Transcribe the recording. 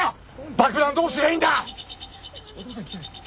爆弾どうすりゃいいんだ！？